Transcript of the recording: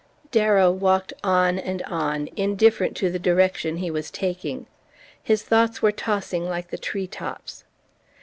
Darrow walked on and on, indifferent to the direction he was taking. His thoughts were tossing like the tree tops.